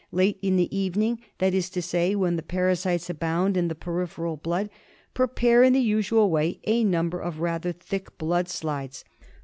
Late in the evening, that is to say when the parasite^ abound in the peripheral blood, prepare in the usual way a number of rather thick blood slides.